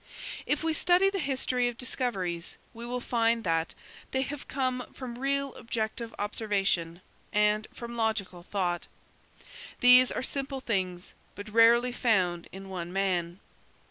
If we study the history of discoveries, we will find that they have come from real objective observation and from logical thought. These are simple things, but rarely found in one man.